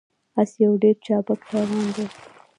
اس یو ډیر چابک حیوان دی